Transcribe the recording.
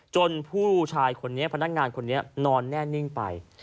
ผู้ชายคนนี้พนักงานคนนี้นอนแน่นิ่งไป